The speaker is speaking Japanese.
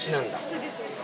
そうですね。